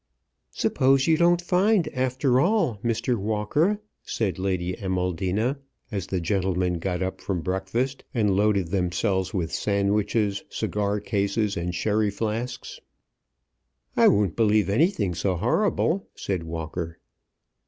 "Suppose you don't find after all, Mr. Walker," said Lady Amaldina, as the gentlemen got up from breakfast, and loaded themselves with sandwiches, cigar cases, and sherry flasks. "I won't believe anything so horrible," said Walker.